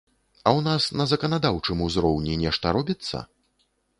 А ў нас на заканадаўчым узроўні нешта робіцца?